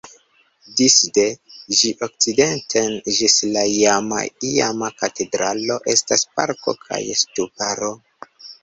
Disde ĝi okcidenten ĝis la iama iama katedralo estas parko kaj ŝtuparo.